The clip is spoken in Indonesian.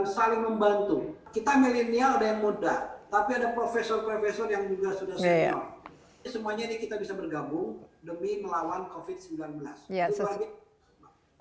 semuanya ini kita bisa bergabung demi melawan covid sembilan belas